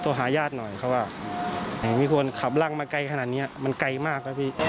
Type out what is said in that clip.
โทรหาญาติหน่อยเขาว่ามีคนขับร่างมาใกล้ขนาดนี้มันไกลมาก